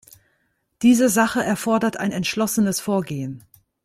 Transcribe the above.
Diese Sache erfordert ein entschlossenes Vorgehen.